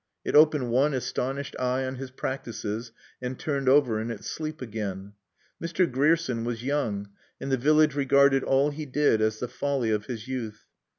It opened one astonished eye on his practices and turned over in its sleep again. Mr. Grierson was young, and the village regarded all he did as the folly of his youth.